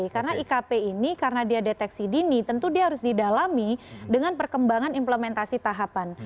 karena ikp ini karena dia deteksi dini tentu dia harus didalami dengan perkembangan implementasi tahapan